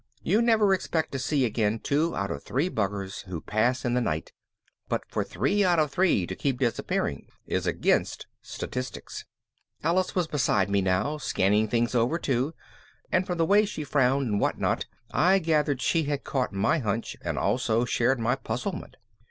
You never expect to see again two out of three buggers who pass in the night, but for three out of three to keep disappearing is against statistics. Alice was beside me now, scanning things over too, and from the way she frowned and what not I gathered she had caught my hunch and also shared my puzzlement.